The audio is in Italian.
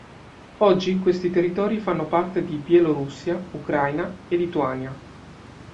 Oggi questi territori fanno parte di Bielorussia, Ucraina e Lituania.